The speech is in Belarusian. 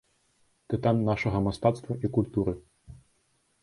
Тытан нашага мастацтва і культуры.